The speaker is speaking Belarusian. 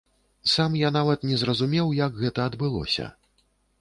Сам я нават не зразумеў, як гэта адбылося.